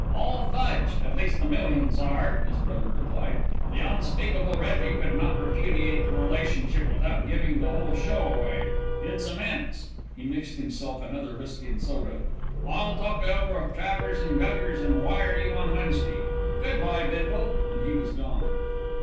"All fudge, at least the millions are," his brother replied. "The unspeakable Reggie could not repudiate the relationship without giving the whole show away. It's immense!" He mixed himself another whisky and soda. "I'll talk it over with Travers and Guggers and wire you on Wednesday. Good bye, Bindle." And he was gone.